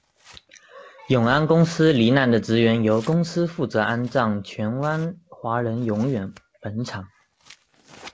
永安公司罹难的职员由公司负责安葬荃湾华人永远坟场。